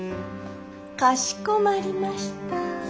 かしこまりました。